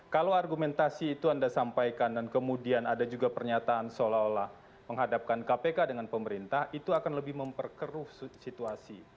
kalau argumentasi itu anda sampaikan dan kemudian ada juga pernyataan seolah olah menghadapkan kpk dengan pemerintah itu akan lebih memperkeruh situasi